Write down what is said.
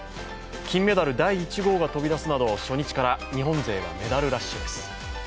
金メダル第１号が飛び出すなど初日から日本勢がメダルラッシュです。